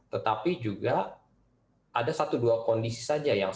tetapi juga ada satu dua kondisi saja yang sebenarnya memerlukan antibiotik lebih lama lagi